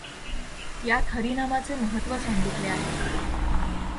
यात हरिनामाचे महत्त्व सांगितले आहे.